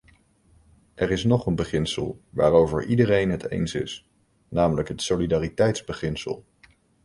Er is nog een beginsel waarover iedereen het eens is, namelijk het solidariteitsbeginsel.